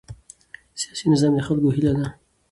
سیاسي نظام د خلکو هیله ده